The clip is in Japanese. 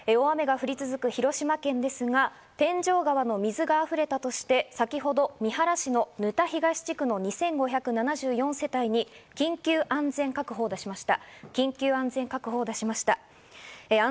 大雨が降り続く広島県ですが、天井川の水が溢れたとして先ほど三原市の沼田東地区の２５７４世帯に緊急安全確保を出しました。